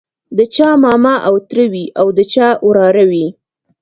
د چا ماما او تره وي او د چا وراره وي.